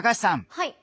はい。